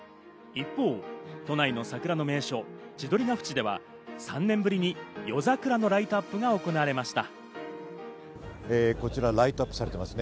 一方を都内の桜の名所・千鳥ヶ淵では３年ぶりに夜桜のライトアップが行われました。